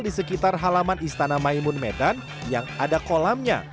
di sekitar halaman istana maimun medan yang ada kolamnya